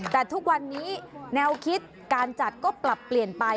แต่ทุกวันนี้แนวคิดการจัดก็ปรับเปลี่ยนไป